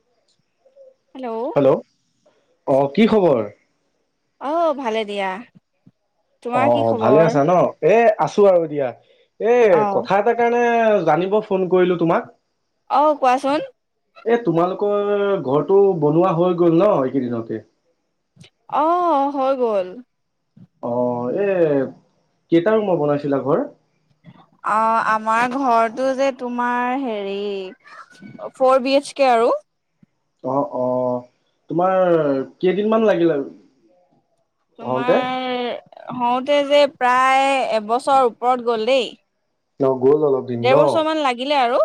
স হেল্ল' অ কি খবৰ আহ ভালে দিয়া অ তোমাৰ কি অ ভালে খবৰ আছা ন এ আছো আৰু দিয়া এ অ কথা এটা কাৰণে জানিব ফোন কৰিলো তোমাক আহ কোৱাচোন এ তোমালোকৰ ঘৰটো বনোৱা হৈ গ'ল ন এইকেইদিনতে আহ হৈ গ'ল অ এ কেইটা ৰুমৰ বনাইছিলা ঘৰ অ আমাৰ ঘৰটো যে তোমাৰ হেৰি ফ'ৰ বি এইচ কে আৰু অ অ তোমাৰ কেইদিনমান লাগিলে আৰু তোমাৰ হওঁতে যেব প্ৰায় এবছৰ ওপৰত গ'ল দেই তিওম দেৰ বছৰ মান লাগিলে আৰু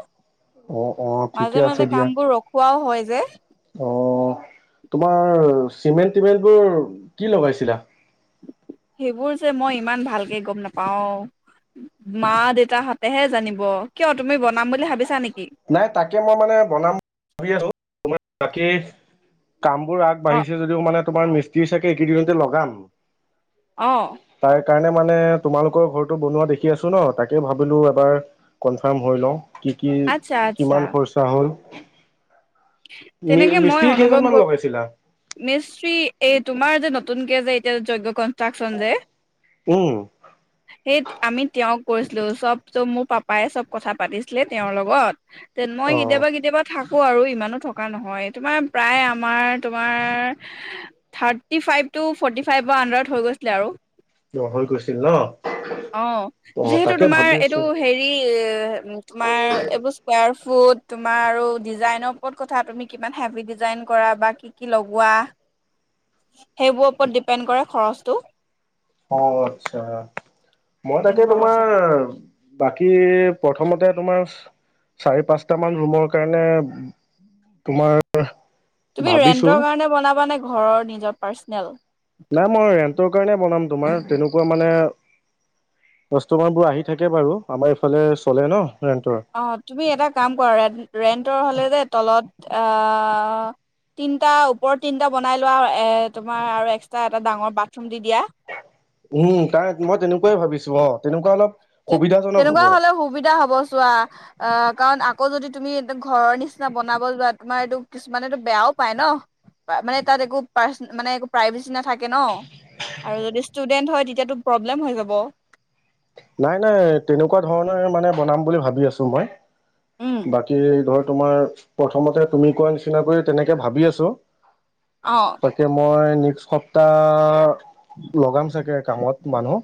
অ অ ঠিকে মাজে আছে মাজে দিয়া কাম বোৰ ৰখোৱাও হয় যে অ তোমাৰ চিমেণ্ট টিমেন্ট বোৰ কি লগাইছিলা সেইবোৰ যে মই ইমান ভালকে গম নেপাও মা দেউতাহতেহে জানিব কিয় তুমি বনাম বুলি ভাবিছা নেকি নাই তাকে মই মানে বনাম [unintelligible] ভাবি আছো তোমাৰ থাকে কামবোৰ অ আগবাঢ়িছে যদিও মানে তোমাৰ মিস্ত্ৰী চাগে এইকেদিনতে লগাম অ তাৰ কাৰণে মানে তোমালোকৰ ঘৰটো বনোৱা দেখি আছোঁ ন তাকেই ভাবিলোঁ এবাৰ কনফাৰ্ম হৈ লওঁ কি কি আচ্ছা আচ্ছা কিমান খৰচা হ'ল মি তেনেকে মই মিস্ত্ৰী অনুভম [unintelligible] কেইজনমান কৰ লগাইছিলা? মিস্ত্ৰী এই তোমাৰ যে নতুন নতুনকে যে এতিয়া যজ্ঞকণ তাক সঞ্জয়ে উম হেত আমি তেওঁক কৈছিলোঁ সবটো মোৰ পাপাই চব কথা পাতিছিলে তেওঁৰ লগত তে মই অ কেতিয়াবা কেতিয়াবা থাক ক আৰু ইমানত থকা নহয় তোমাৰ প্ৰায় আমাৰ তোমাৰ থাৰ্টি ফাইভ টু ফৰ্টি ফাইভৰ আণ্ডাৰত হৈ গৈছিলে আৰু হৈ গৈছিল ন অ অ যিহেতু তাকে তোমাৰ এইটো ভাবিছো হেৰি তোমাৰ এইবস স্কোৱাৰফুত তোমাৰ আৰু ডিজাইনৰ ওপৰত কথা তুমি কিমান হেভি ডিজাইন কৰা বা কি কি লগোৱা সেইবোৰৰ ওপৰত ডিপেণ্ড কৰে খৰচটো অ আচ্ছা মই তাকে তেনেকুৱা কথা তোমাৰ বাকী প্ৰথমতে তোমাৰ চাৰি পাঁচটা মান ৰুমৰ কাৰণে ব তোমাৰ তুমি ভাবিছো ৰেন্টৰ কাৰণে বনাবা নে ঘৰৰ নিজৰ পাৰ্চ নোৱাৰো নাই মই ৰেন্টৰ কাৰণে বনাম তোমাৰ তেনেকুৱা মানে কাষ্টমাৰবোৰ আহি থাকে বাৰু আমাৰ ইফালে চলে ন ৰেন্টৰ অ তুমি এটা কাম কৰা ৰেন্টৰ হলে যে তলত অ তিনিটা ওপৰত তিনিটা বনাই লোৱা এ তোমাৰ আৰু একস্তা এটা ডাঙৰ বাথৰুম দি দিয়া উম কাৰণ মই তেনেকুৱাই ভাবিছো অ তেনেকুৱা অলপ তে সুবিধাজনক হ'ব তেনেকুৱা হ'লে সুবিধা হব চোৱা আহ কাৰণ আকৌ যদি তুমি ঘৰৰ নিচিনা বনাব যোৱা তোমাৰ এইটো কিছুমানেটো বেয়াও পায় ন মানে তাত একো পাৰচে মানে একো প্ৰাইভেচি নাথাকে থাকে ন আৰু ন ষ্টুডেন্ট হয় তেতিয়াটো প্ৰব্লেম হৈ যাব নাই নাই তেনেকুৱা ধৰণে মানে বনাম বুলি ভাবি আছো মই উম, বাকী এই ঘৰত তোমাৰ প্ৰথমতে তুমি কোৱা নিচিনাকে তেনেকে ভাবি আছো অ', তাকে মই নেক্স সপ্তাহ লগাম চাগে কামত মানুহ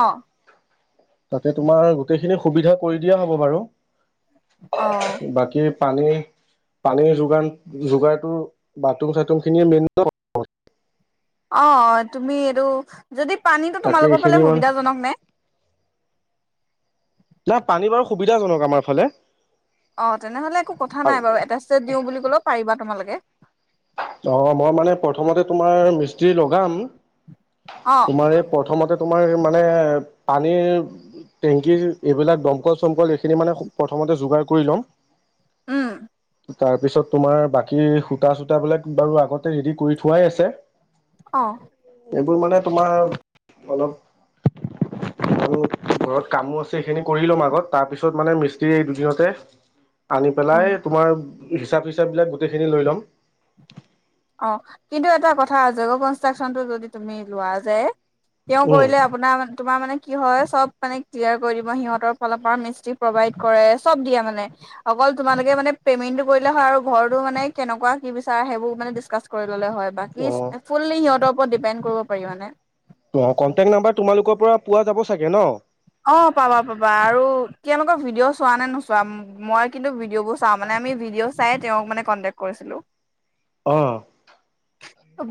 অহ তাতে তোমাৰ গোটেইখিনি সুবিধা কৰি দিয়া হ'ব বাৰু অ'। বাকী পানী পানীৰ যোগান যোগাৰটো বাথৰুম চাথৰুম খিনিয়ে মেইন ন অ তুমি এইটো যদি পানীটো তাকে তোমালোকৰ এইখিনি ফালে মান সুবিধাজনক নে না পানী বাৰু সুবিধাজনক আমাৰ ফালে অ তেনেহলে একো কথা অ', নাই বাৰু এটা ষ্টেপ দিওঁ বুলি কলে পাৰিবা তোমালোকে এ অ মই মানে প্ৰথমতে তোমাৰ মিস্ত্ৰী লগাম অ তোমাৰ এই প্ৰথমতে তোমাৰ মানে পানীৰ টেংকি এইবিলাক দমকল চমকল এইখিনি মানে প্ৰথমতে যোগাৰ কৰি ল'ম উম তাৰ পিছত তোমাৰ বাকী খুটা চুটাবিলাক বাৰু আগতে ৰেডি কৰি থোৱাই আছে অ এইবোৰ মানে তোমাৰ অলপ আৰু ঘৰত কামো আছে সেইখিনি কৰি লম আগত তাৰপিছত মানে মিস্ত্ৰী এই দুদিনতে আনি উম পেলাই তোমাৰ হিচাপ চিচাপবিলাক গোটেইখিনি লৈ ল'ম অ কিন্তু এটা কথা জগ কনষ্ট্ৰাক্যনটো যদি তুমি লোৱা যায় তেওঁ উম, কৰিলে আপোনাৰ তোমাৰ মানে কি হয় চব মানে ক্লিয়াৰ কৰি দিব সিহঁতৰ ফালৰ পৰা মিস্তী প্ৰভাইড কৰে চব দিয়ে মানে অকল তোমালোকে মানে পেমেন্টটো কৰিলে হয় আৰু ঘৰটো মানে কেনেকুৱা কি বিচাৰা সেইবোৰ মানে ক কৰে হয় বাকী অ', ফুল সিহতৰ ওপৰত ডিপেণ্ড কৰিব পাৰিবানে অ কণ্টেক্ট নাম্বাৰ তোমালোকৰ পৰা পোৱা যাব চাগে ন? অ পাবা পাবা আৰু তেওঁলোকৰ ভিডিঅ' চোৱা নে নোচোৱা মই কিন্তু বোৰ চাও মানে আমি চাই তেওঁক মানে কন্টেক কৰিছিলো। আহ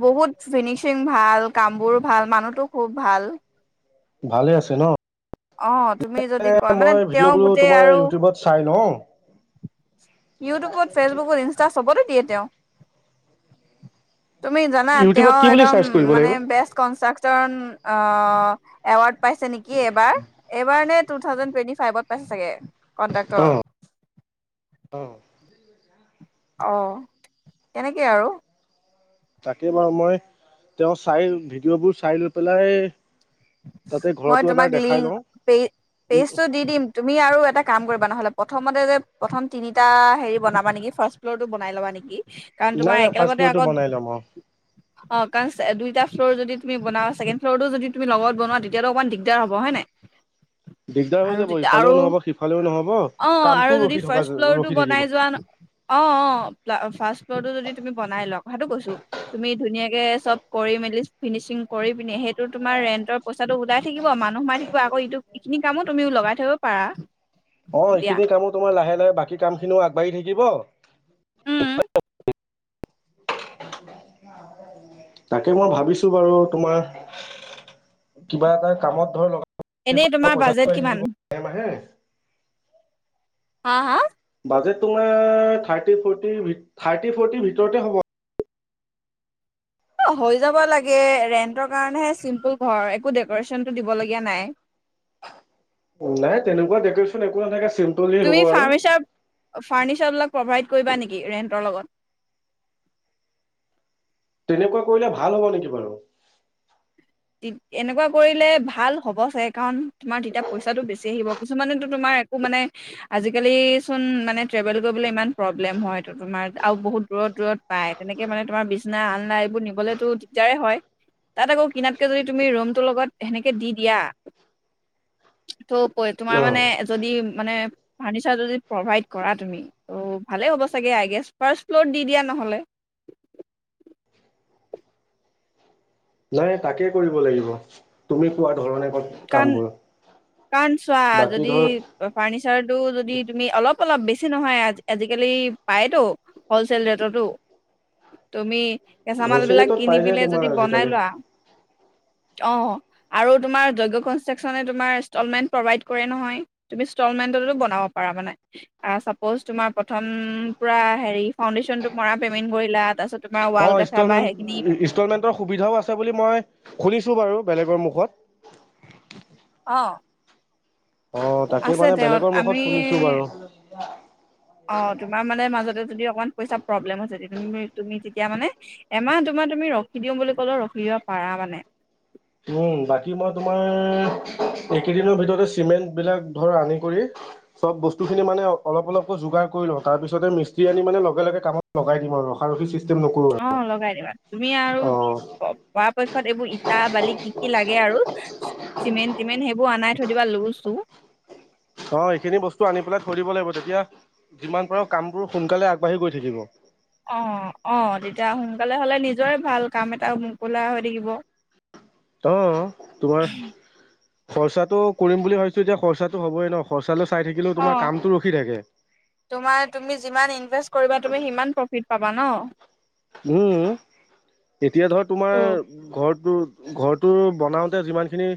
বহুত ফিনিচিং ভাল কামবোৰো ভাল মানুহটো খুব ভাল। ভালে আছে ন অ তুমি যদি কয় মানে মই তেওঁ ভিডিঅ'বোৰো গোটেই তোমাৰ আৰু ইউটিউবত চাই লওঁ ইউটিউবত ফেচবুকত ইনষ্টা চবতে দিয়ে। তেওঁ তুমি জানা ইউটিউবত তেওঁ কি বুলি একদম চাৰ্চ কৰিব মানে লাগিব বেষ্ট কনষ্ট্ৰাকচন অ এৱাৰ্ড পাইছে নেকি এইবাৰ এইবাৰ নে‌ টু থাউজেনডটুৱেট ফাইভত পাইছে চাগে কনডাক্টৰ অ অ অ তেনেকে আৰু তাকে বাৰু মই তেওঁ চাই ভিডিঅ'বোৰ চাই লৈ পেলাই তাতে মই ঘৰতো এবাৰ তোমাক দেখাই লিংক লওঁ পেজ পেজটো দি দিম তুমি আৰু এটা কাম কৰিবা নহলে প্ৰথমতে যে প্ৰথম তিনিটা হেৰি বনাবা নেকি ফাৰ্ষ্ট ফ্ল'ৰ টো বনাই লবা নেকি। কাৰণ নাই তোমাৰ নাই ফাৰ্ষ্ট একেলগতে ফ্ল'ৰটো আগত বনাই ল'ম অ কাৰণ দুইটা। ফ্ল যদি তুমি বনাবা‌ চেকেণ্ড ফ্লৰটো যদি তুমি লগত বনোৱা তেতিয়াতো অকণমান দিগদাৰ হ'ব হয় নাই দিগদাৰ হৈ আৰু যাব তেতিয়া ইফালেও আৰু নহ'ব সিফালেও নহ'ব অ কামটো আৰু যদি ৰখি থকা ফাৰ্ষ্ট ফ্লৰটো ৰখি থাকিব বনাই যোৱা অ অ ফাৰ্ষ্ট ফ্লৰটো যদি তুমি বনাই ল কথাটো কৈছো তুমি ধুনীয়াক চব কৰি মেলি ফিনিচিং কৰি পি সেইটোত তোমাৰ ৰেন্টৰ পইচাটো ওলাই থাকিব মানুহ সোমাই থাকিব আকৌ ইটো এইখিনি কামো তুমিও লগাই থাকিব পাৰা। অ তেতিয়া এইখিনি কামো তোমাৰ লাহে লাহে বাকী কামখিনিও আগবাঢ়ি থাকিব থাকিব অ তাকে মই অ' ভাবিছো বাৰু তোমাৰ কিবা এটা কামত ধ লগ এনেই তোমাৰ পইচাটো বাজেট আহি থাকিব কিমান মাহে মাহে হা হা বাজেট তোমাৰ থাৰ্টি ফৰ্টি থাৰ্টি ফৰ্টিৰ ভিতৰতে হ'ব। অ হৈ যাব লাগে ৰেণ্টৰ কাৰণেহে চিম্পুল ঘৰ একো ডেক'ৰেশ্যনটো দিবলগীয়া নাই। নাই তেনেকুৱা ডেকৰেশন একো নাথাকে চিম্পলি তুমি হ'ব আৰু। ফাৰ্নিচাৰ ফাৰ্নিচাৰ বিলাক প্ৰভাইড কৰিবা নেকি ৰেন্টৰ লগত তেনেকুৱা কৰিলে ভাল হ'ব নেকি বাৰু এনেকুৱা কৰিলে ভাল হ'ব চাগে কাৰণ তোমাৰ তেতিয়া পইচাটো বেছি আহিব কিছুমানেটো তোমাৰ একো মানে আজিকালিচোন মানে ট্ৰেভেল কৰিবলৈ ইমান প্ৰব্লেম হয় ত তোমাৰ আৰু বহুত দূৰত দূৰত পায় তেনেকে মানে তোমাৰ বিছনা আলনা এইবোৰ নিবলৈতো দিগদাৰে হয় তাত আকৌ কিনাত ত তোমাৰ মানে অ', যদি মানে ফাৰ্ণিচাৰটো যদি প্ৰভাইড কৰা তুমি ত' ভালেই হ'ব চাগে আই গেছ ফাৰ্ষ্ট ফ্ল'ৰত দি দিয়া নহ'লে নাই তাকে কৰিব লাগিব তুমি কোৱা ধৰণে কাৰণ কামবোৰ কাৰণ চোৱা বাকী যদি ধৰ ফাৰ্নিচাৰটো যদি তুমি অলপ অলপ বেছি নহয় আ আজিকালি পায়তো হলচেল ৰেটতো, তুমি কেঁচা মাল বিলাক হলচেলতো কিনি পাই যায় পেনে তোমাৰ যদি বনাই আজিকালি। লোৱা। অ আৰু তোমাৰ যজ্গ্য কনষ্ট্ৰাকচনে তোমাৰ ইনষ্টলমেন্ট প্ৰভাইড কৰে নহয়। তুমি ইনষ্টলমেন্টোটো বনাব পাৰা মানে, চাপ'জ তোমাৰ প্ৰথম পৰা হেৰি ফাউডেশচনটো মৰা পেমেণ্ট কৰিলা তাৰ পিছত অ ইনষ্টলমেন্ট, ইনষ্টলমেন্টৰ সুবিধাও আছে বুলি মই শুনিছো বাৰু বেলেগৰ মুখত অ অ তাকে আছে মানে তেওঁত বেলেগৰ আমি মুখত শুনিছো বাৰু অ তোমাৰ মানে মাজত যদি অকমান পইচা প্ৰব্লেম হৈছে তুমি তুমি তেতিয়া মানে এমাহ দুমাহ তুমি ৰখি দিম বুলি ক'লেও ৰখি দিব পাৰা মানে উম বাকি মই তোমাৰ এইকেইদিনৰ ভিতৰতে চিমেন্ট বিলাক ধৰ আনি কৰি চব বস্তুখিনি মানে অলপ অলপকৈ যোগাৰ কৰি লওঁ তাৰ পিছতে মিস্ত্ৰী আনি মানে লগে লগে কামত লগাই দিম আৰু ৰখা ৰখি চিছ অ লগাই দিবা তুমি আৰু অ', প পৰা পক্ষ শেষত এইবোৰ ইটা বালি কি কি লাগে আৰু চিমেণ্ট টিমেণ্ট সেইবোৰ আনাই থৈ দিবা লো চো অ এইখিনি বস্তু আনি পেলাই থৈ দিব লাগিব তেতিয়া যিমান পাৰো কামবোৰ সোনকালে আগবাঢ়ি গৈ থাকিব অ অ তেতিয়া সোনকালে হ'লে নিজৰে ভাল কাম এটা মুকলা হৈ থাকিব অ তোমাৰ খৰচাটো কৰিম বুলি ভাবিছো এতিয়া খৰচাটো হবই ন খৰচালৈ চাই থাকিলেও অ তোমাৰ কামটো ৰখি থাকে তোমাৰ তুমি যিমান ইনভেষ্ট কৰিবা তুমি সিমান প্ৰফিট পাবা ন উম এতিয়া ধৰ তোমাৰ ত' ঘৰত তোৰ ঘৰটো বনাওতে যিমান খিনি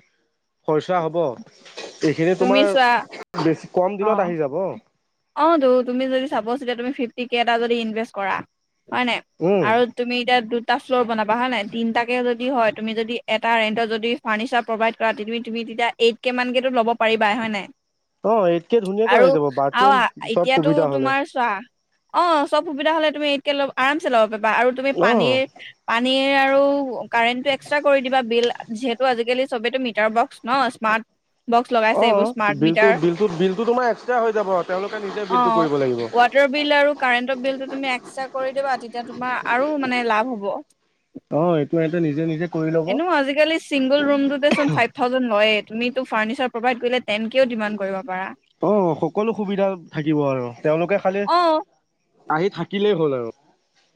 খৰচা হ'ব এইখিনি তুমি তোমাৰ চোৱা বেছি কম দিনত অ', আহি যাব। অ তো তুমি যদি চাব আছিলে তুমি ফিফটি কে এটা যদি ইনভেষ্ট কৰা। হয় নাই উম আৰু তুমি এতিয়া দু টা ফ্ল'ৰ বনাবা হয় নাই তিনটা কে যদি হয় তুমি যদি এটা ৰেন্টত যদি ফাৰ্ণিচাৰ প্ৰভাইড কৰা তুমি তেতিয়া এইট কে মান কেটো ল'ব পাৰিবা হয় নাই। অ এইতকে ধুনীয়াকৈ হৈ যাব বাট অহ এতিয়াতো তোমাৰ চোৱা অ চব সুবিধা হ'লে তুমি ইটকে লব আৰামছে ল'ব পাৰা বা আৰু তুমি অ পানীৰ পানী আৰু কাৰেণ্টটো এক্সট্ৰা কৰি দিবা বিল যিহেতু আজিকালি মিটাৰ বক্স ন স্মাৰ্ট বক্স লগাইছে অ এইবোৰ স্মাৰ্ট বিলটো মিটাৰ বিলটো বিলটো তোমাৰ এক্সট্ৰা তেওঁলোকে নিজে বিলটো অ', কৰিব ৱাটাৰ বিল আৰু লাগিব। কাৰেণ্টৰ বিলটো তুমি এক্সট্ৰা কৰি দিবা তেতিয়া তোমাৰ আৰু মানে লাভ হ'ব। অ', এইটো সতে নিজে-নিজে এনেও আজিকালি চিংগুল ৰুমটোতে চোন ফাইভ থাউজেড লয়। তুমি টো ফাৰণিচাৰ প্ৰভাইড কৰিলে তেনকেও ডিমাণ্ড কৰিব। পাৰা অ সকলো সুবিধা থাকিব আৰু তেওঁলোকে খালি অ', আহি থাকিলেই হ'ল আৰু।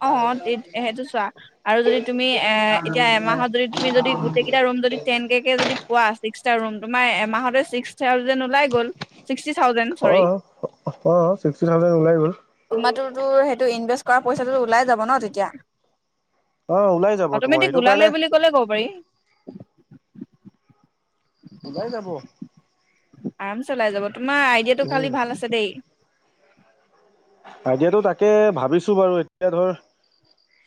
অ', সেইটো চোৱা আৰু যদি তুমি এ এতিয়া এমাহত যদি তুমি যদি গোটেই কেইটা ৰুম যদি টেন কে কে যদি পোৱা ৰুম তোমাৰ এমাহতে ছিক্স থাউজেণ্ড ওলাই গ'ল। ছিক্সটি থাউজেণ্ড অ চৰৰি অ ছিক্সটি থাউজেণ্ড ওলাই গ'ল তোমাৰ তো তোওৰ কৰা পছে [unintelligible] ত ওলাই যাব ন তেতিয়া অ ওলাই যাব তোমাৰ অটমেটিক এইটো ওলালে কাৰণে বুলি কলে কব পাৰি। ওলাই যাব। আৰাম চাই ওলাই যাব। তোমাৰ আইডিয়াটো উম খালি ভাল আছে দেই। [inaudible] আতিয়াতো তাকে ভাবিছো বাৰু এতিয়া ধৰ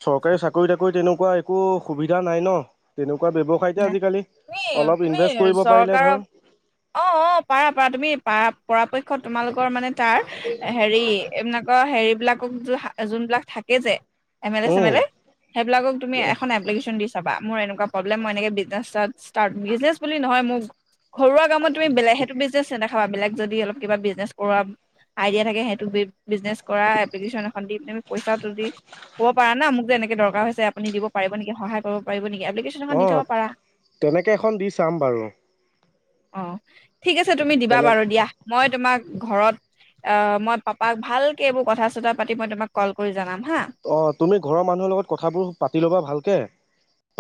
চৰকাৰী চাকৰি তাকৰি তেনেকুৱা একো সুবিধা নাই ন তেনেকুৱ তুমি তুমি ইনভেষ্ট কৰিব পাৰিলে ধৰ চৰকাৰক অ অ পাৰা পাৰা তুমি পাৰ পৰাপক্ষত তোমালোক মে তাৰ হেৰি [unintelligible] বিলাকক য যোনবিলাক থাকে যে? এম এল এ চম উম সেইবুি এখন অপ্লিকেটিন দি চাবা? মোৰ এনেকুৱা বোলে মইনেকো চিচনেচ ইষ্ট বিচনেচ বুলি নহয় মোক ঘৰুৱা কামত তুমি বেলে সেইটো বিজনেছ না বিলাক যদি অলপ কিবা বিজনেজ কৰ আইডিয়া থাকে সেইটো বিজনে কৰা এপিকন দিমি পইচাটো দি কব পাৰা না মোক যেনে দৰকাৰ হৈছে আপুনি দিব পাৰিব নেকি সহায় কৰিব পাৰিব নেকি? এপ্লিকেশ্যন এখন অ দি থ'ব পাৰা। তেনেকৈ এখন দি চাম বাৰু। অ ঠিক আছে তুমি দিবা তেনে বাৰু দিয়া মই তোমাক ঘৰত অ' মই পাপাক ভালকে এইবোৰ কথা চতা পাতি মই তোমাক কল কৰি জনাম হা অ তুমি ঘৰৰ মানুহৰ লগত কথাবোৰ পাতি ল'বা ভালকে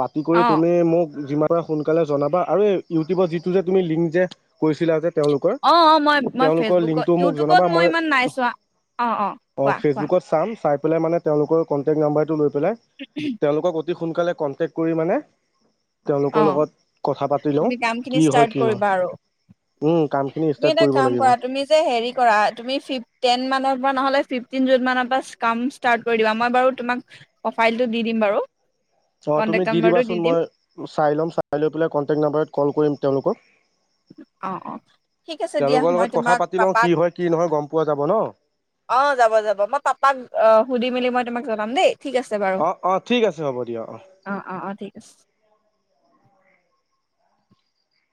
পাতি কৰি অ' তুমি মোক যিমান পাৰা সোনকালে জনাবা আৰু এই ইউটিউবৰ যিটো যে তুমি লিংক যে কৈছিলা যে তেওঁলোকৰ অ অ মই মই তেওঁলোকৰ ফেচবুকত লিংকটো মোক ইউটিউবত জনাবা মই ইমান নাইছো অ অ কোৱা কোৱা ফেচবুকত চাম চাই পেলাই মানে তেওঁলোকৰ কণ্টেক্ নাম্বাৰটো লৈ পেলাই তেওঁলোকৰ অ সোনকালে কনটেক কৰি মানে তেওঁলোকৰ অ লগত কথা পাতি লওঁ তুমি কামখিনি কি হয় স্থাৰ্ট কি নহয় কৰিবা আৰু। উম কামখিনি এই ষ্টাৰ্ট এটা কৰিব কাম লাগিব কৰা তুমি যে হেৰি কৰা তুমি ফিফ টেনমানত তোমাৰ নহলে ফিফটিন মানৰ পৰা কাম স্থাৰ্ট কৰি দিবা মই বাৰু তোমাক প্ৰফাইলটো দি দিন বাৰু অ তুমি কন্টেক্ট দি নাম্বাৰটো দিবাচোন দিম মই চাই ল'ম চাই লৈ পেলাই কনটেক্ট নাম্বাৰত কল কৰিম তেওঁলোকক অ অ ঠিক আছে দিয়া তেওঁলোকৰ মই লগত কথা তোমাক পাতি লওঁ পাপাক কি হয় কি নহয় গম পোৱা যাব ন অ যাব যাব মই পাপাক অ সুধি মেলি মই তোমাক জনাম দেই ঠিক আছে বাৰু অ অ ঠিক আছে হ'ব দিয়া অ অ ঠিক অ